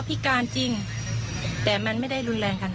และที่สำคัญก็มีอาจารย์หญิงในอำเภอภูสิงอีกเหมือนกัน